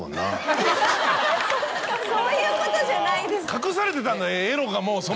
そういうことじゃないです。